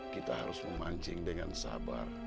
kita harus memancing dengan sabar